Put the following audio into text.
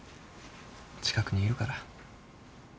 近くにいるから。